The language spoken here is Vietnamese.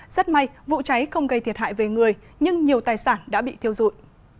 rất may vụ cháy không gây thiệt hại về người nhưng nhiều tài sản đã bị thiêu dụi